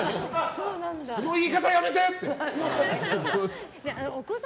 その言い方やめて！